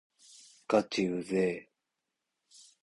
がちうぜぇ